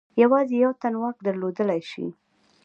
یوازې یو تن واک درلودلای شي.